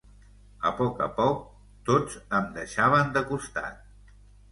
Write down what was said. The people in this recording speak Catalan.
A poc a poc tots em deixaven de costat...